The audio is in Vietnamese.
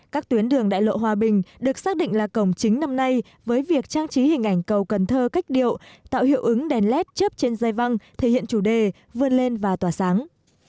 các tuyến đường đại lộ hòa bình được xác định là cổng chính năm nay với việc trang trí hình ảnh cầu cần thơ cách điệu tạo hiệu ứng đèn led chớp trên dây văn thể hiện chủ đề vươn lên và tỏa sáng